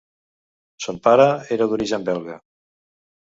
Son pare era d'origen belga.